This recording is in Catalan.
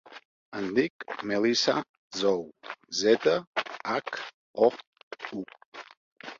Em dic Melissa Zhou: zeta, hac, o, u.